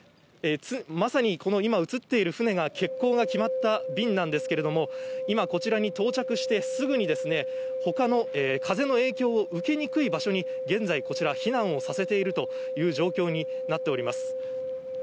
まさにこの今映っている船が、欠航が決まった便なんですけれども、今、こちらに到着して、すぐにほかの風の影響を受けにくい場所に現在、こちら、避難をさせているという状況になっております。